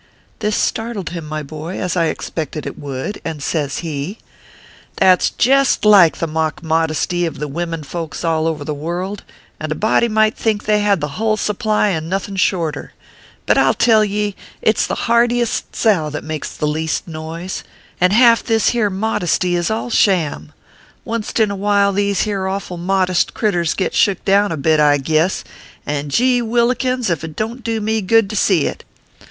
This startled him, my boy, as I expected it would, and says he :" That s jest like the mock modesty of the wimmiri folks all the world .over, and a body might think they had the hull supply and no thin shorter ; but I tell ye it s the heartiest sow that makes the least noise, and half this here modesty is all sham. Onct in a while these here awful modest critters git shook down a bit, I guess ; and gheewhillikins ! ef it don t do me good to see it.